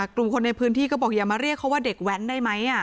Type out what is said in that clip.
กลุ่มคนในพื้นที่ก็บอกอย่ามาเรียกเขาว่าเด็กแว้นได้ไหม